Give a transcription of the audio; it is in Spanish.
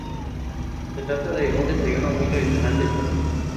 Se trata de un desayuno muy tradicional de esta zona.